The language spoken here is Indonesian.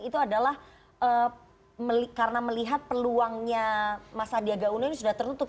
itu adalah karena melihat peluangnya mas sandiaga uno ini sudah tertutup